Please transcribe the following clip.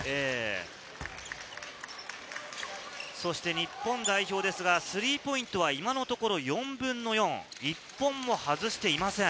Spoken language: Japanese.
日本代表、スリーポイントが今のところ４分の４、１本も外していません。